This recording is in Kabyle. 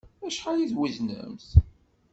Acḥal i tweznemt?